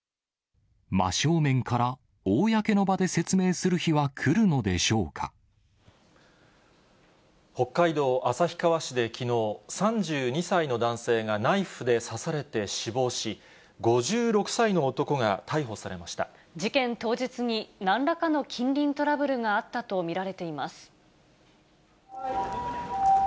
真正面から公の場で説明する北海道旭川市できのう、３２歳の男性がナイフで刺されて死亡し、５６歳の男が逮捕されま事件当日になんらかの近隣トラブルがあったと見られています。